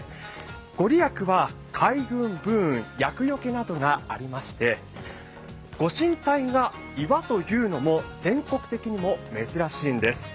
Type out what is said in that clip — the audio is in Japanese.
御利益は開運、武運、厄よけなどがありまして、御神体が岩というのも全国的にも珍しいんです。